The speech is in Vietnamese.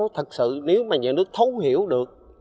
thật sự nếu mà nhà nước thấu hiểu được